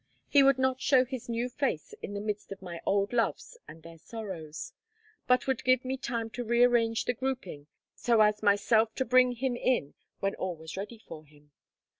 He would not show his new face in the midst of my old loves and their sorrows, but would give me time to re arrange the grouping so as myself to bring him in when all was ready for him.